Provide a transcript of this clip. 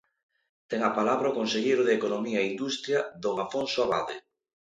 Ten a palabra o conselleiro de Economía e Industria, don Afonso Abade.